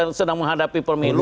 kita sedang menghadapi pemilu